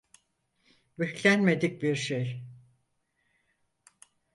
Beklenmedik bir şey.